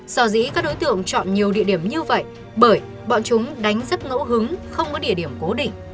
sở dĩ các đối tượng chọn nhiều địa điểm như vậy bởi bọn chúng đánh rất ngẫu hứng không có địa điểm cố định